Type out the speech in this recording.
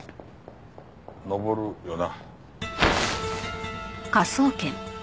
登るよな。